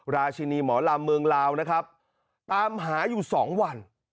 ราชินีหมอลำเมืองลาวนะครับตามหาอยู่๒วัน